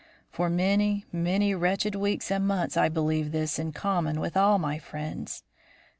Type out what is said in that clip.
"For many, many wretched weeks and months I believed this in common with all my friends.